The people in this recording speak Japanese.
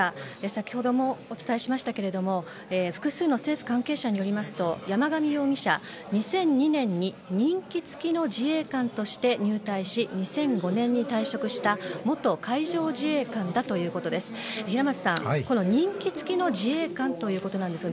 先ほどもお伝えしましたが複数の政府関係者によりますと山上容疑者、２００２年に任期付きの自衛官として入隊し、２００５年に退職した元海上自衛官だということです。